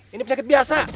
ini penyakit biasa